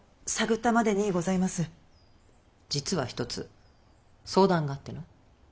実は一つ相談があっての。